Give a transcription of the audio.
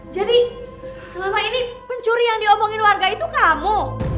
jadi selama ini pencuri yang diomongin warga itu kamu